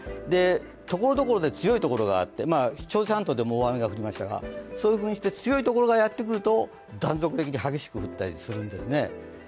ところどころで強いところがあってそういうふうにして強いところがやってくると断続的に激しく降ったりするんですね。